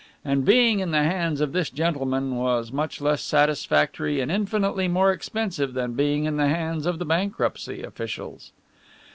And being in the hands of this gentleman, was much less satisfactory and infinitely more expensive than being in the hands of the bankruptcy officials.